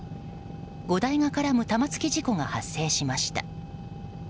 ５台が絡む玉突き事故が発生しました。